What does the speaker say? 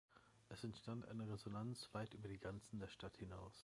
Es entstand eine Resonanz weit über die Grenzen der Stadt hinaus.